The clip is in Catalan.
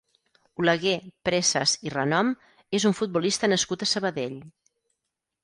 Oleguer Presas i Renom és un futbolista nascut a Sabadell.